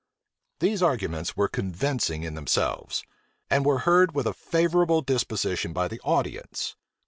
These arguments were convincing in themselves, and were heard with a favorable disposition by the audience.